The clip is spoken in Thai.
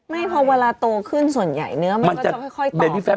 ไม่พอเวลาโตขึ้นส่วนใหญ่เนื้อมันก็จะค่อยตอบ